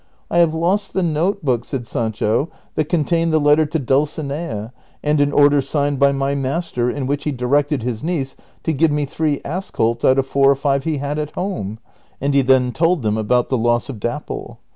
" I have lost the note book," said Sancho, " that contained the letter to Dulcinea, and an order signed by my master in which he directed his niece to give me three ass colts out of four or five he had at home ;" and he then told them about the loss of Dapple.